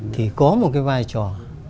thì có một cái vai trò